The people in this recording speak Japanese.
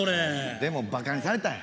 でもバカにされたんや。